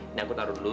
ini aku taruh dulu